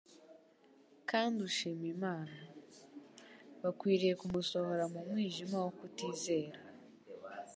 kandi ushima Imana. Bakwiriye kumusohora mu mwijima wo kutizera